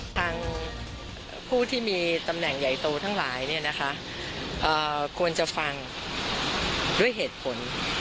ทางผู้ที่มีตำแหน่งใหญ่โตทั้งหลายเนี่ยนะคะเอ่อควรจะฟังด้วยเหตุผล